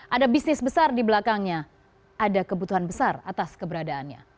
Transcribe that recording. ada bisnis besar di belakangnya ada kebutuhan besar atas keberadaannya